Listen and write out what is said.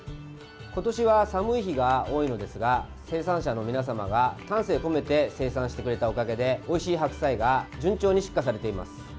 今年は寒い日が多いのですが生産者の皆様が、丹精込めて生産してくれたおかげでおいしい白菜が順調に出荷されています。